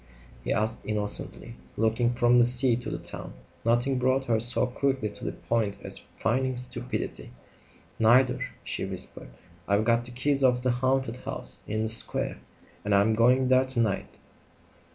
he asked innocently, looking from the sea to the town. Nothing brought her so quickly to the point as feigning stupidity. "Neither," she whispered. "I've got the keys of the haunted house in the square and I'm going there to night."